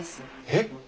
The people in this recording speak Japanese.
えっ！